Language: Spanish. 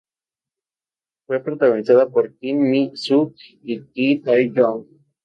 Fue protagonizada por Kim Mi Sook y Ki Tae Young.